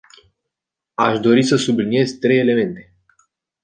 Aș dori să subliniez trei elemente.